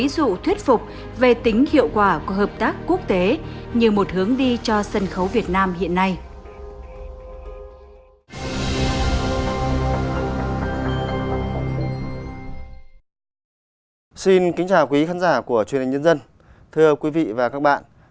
quý khán giả của truyền hình nhân dân thưa quý vị và các bạn